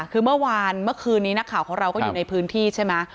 คือเมื่อวานเมื่อคืนนี้นักข่าวของเราก็อยู่ในพื้นที่ใช่ไหม